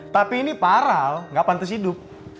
tapi ini parah al gak pantas hidup